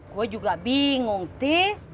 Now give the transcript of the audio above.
gua juga bingung tis